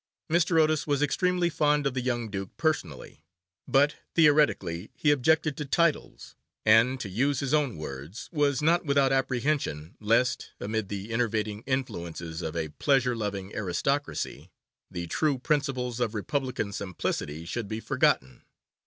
Mr. Otis was extremely fond of the young Duke personally, but, theoretically, he objected to titles, and, to use his own words, 'was not without apprehension lest, amid the enervating influences of a pleasure loving aristocracy, the true principles of republican simplicity should be forgotten.